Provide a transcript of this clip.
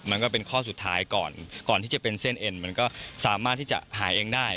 มันก็เป็นข้อสุดท้ายก่อนก่อนที่จะเป็นเส้นเอ็นมันก็สามารถที่จะหายเองได้